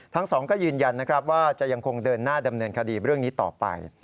ทั้งสองก็ยืนยันนะครับว่าจะยังคงเดินหน้าดำเนินคดีเรื่องนี้ต่อไป